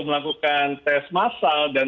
melakukan tes massal dan